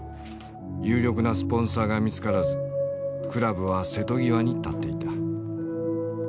有力なスポンサーが見つからずクラブは瀬戸際に立っていた。